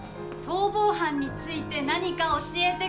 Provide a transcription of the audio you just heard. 逃亡犯について何か教えて下さい。